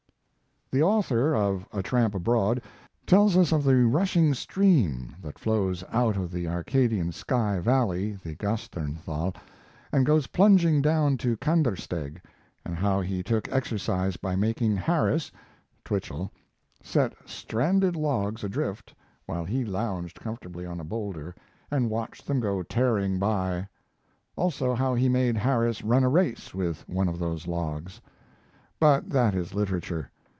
The author of A Tramp Abroad tells us of the rushing stream that flows out of the Arcadian sky valley, the Gasternthal, and goes plunging down to Kandersteg, and how he took exercise by making "Harris" (Twichell) set stranded logs adrift while he lounged comfortably on a boulder, and watched them go tearing by; also how he made Harris run a race with one of those logs. But that is literature.